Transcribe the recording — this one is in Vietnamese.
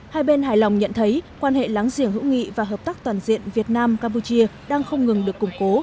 hai bên hài lòng nhận thấy quan hệ láng giềng hữu nghị và hợp tác toàn diện việt nam campuchia đang không ngừng được củng cố